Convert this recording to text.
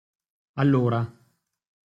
Allora.